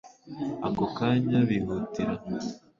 ako kanya bihutira